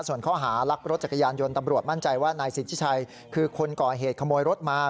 ส่วนข้อหารักรถจักรยานยนต์ตำรวจมั่นใจว่านายสิทธิชัยคือคนก่อเหตุขโมยรถมา